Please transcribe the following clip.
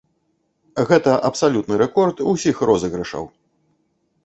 Гэта абсалютны рэкорд усіх розыгрышаў.